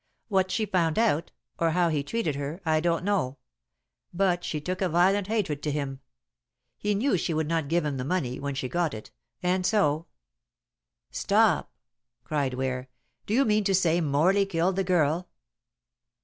What she found out, or how he treated her, I don't know; but she took a violent hatred to him. He knew she would not give him the money when she got it, and so " "Stop!" cried Ware. "Do you mean to say Morley killed the girl?"